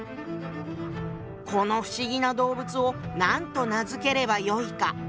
「この不思議な動物を何と名付ければよいか」。